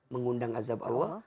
mengundang azab allah